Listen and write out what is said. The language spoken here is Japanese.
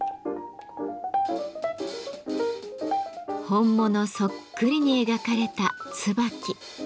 本物そっくりに描かれたツバキ。